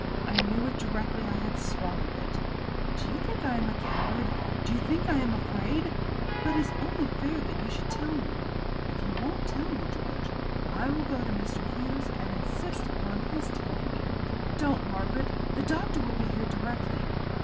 I knew it directly I had swallowed it. Do you think I am a coward? Do you think I am afraid? But it is only fair that you should tell me. If you won't tell me, George, I will go to Mr. Hughes and insist upon his telling me." "Don't, Margaret. The doctor will be here directly."